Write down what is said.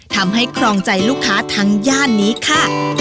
ครองใจลูกค้าทั้งย่านนี้ค่ะ